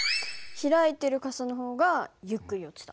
開いてる傘の方がゆっくり落ちた。